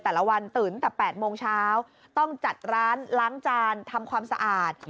แต่ละวันตื่นแต่๘โมงเช้าต้องจัดร้านล้างจานทำความสะอาด